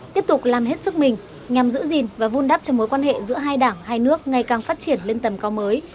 tiếp tục làm hết sức mình nhằm giữ gìn và vun đắp cho mối quan hệ giữa hai đảng hai nước ngày càng phát triển lên tầm cao mới